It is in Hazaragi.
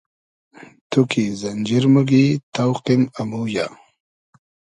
تو کی زئنجیر موگی تۆقیم امویۂ